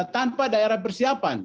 tanpa daerah persiapan